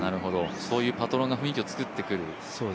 そういうパトロンが雰囲気を作ってくる。